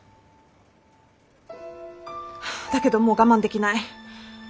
だけどもう我慢できない！